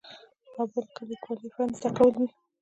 او بل که د لیکوالۍ فن زده کول وي.